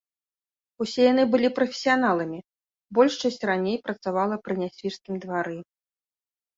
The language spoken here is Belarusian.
Усе яны былі прафесіяналамі, большасць раней працавала пры нясвіжскім двары.